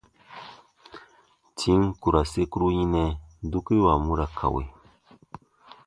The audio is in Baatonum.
Tim ku ra sekuru yinɛ, dukiriwa mu ra kawe.